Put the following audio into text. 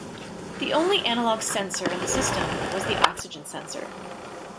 The only analog sensor in the system was the oxygen sensor.